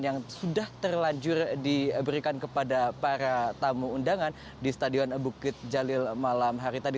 yang sudah terlanjur diberikan kepada para tamu undangan di stadion bukit jalil malam hari tadi